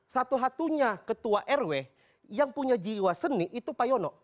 satu satunya ketua rw yang punya jiwa seni itu pak yono